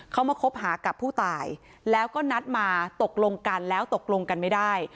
เขามาคบหากับผู้ตายแล้วก็นัดมาตกลงกันแล้วตกลงกันไม่ได้